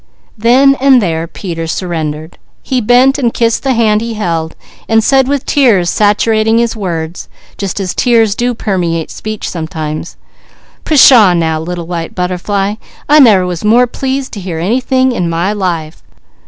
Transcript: Then and there Peter surrendered. He bent and kissed the hand he held, and said with tears saturating his words, just as tears do permeate speech sometimes: "Pshaw now, Little White Butterfly! I never was more pleased to hear anything in my life.